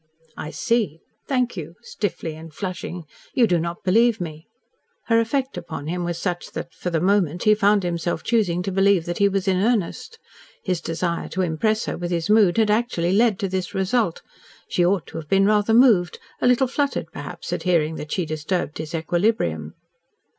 "I see. Thank you," stiffly and flushing. "You do not believe me." Her effect upon him was such that, for the moment, he found himself choosing to believe that he was in earnest. His desire to impress her with his mood had actually led to this result. She ought to have been rather moved a little fluttered, perhaps, at hearing that she disturbed his equilibrium.